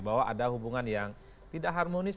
bahwa ada hubungan yang tidak harmonis